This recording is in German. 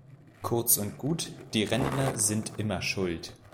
Kurz und gut, die Rentner sind immer schuld!